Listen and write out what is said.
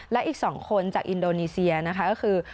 และอีก๒คนจากอินโดนีเซียนะคะก็คือ